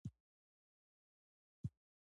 مجاهد د ښو اخلاقو خاوند وي.